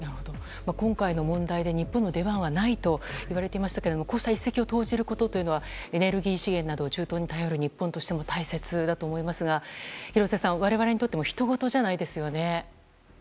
今回の問題で日本の出番はないといわれていましたがこうした一石を投じることというのはエネルギー資源などを中東に頼る日本にとっても大切だと思いますが廣瀬さん、我々にとってもひとごとじゃないですよね。